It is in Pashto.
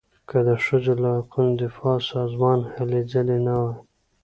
که د ښځو له حقونو دفاع سازمان هلې ځلې نه وای.